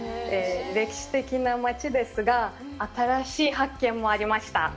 歴史的な街ですが、新しい発見もありました。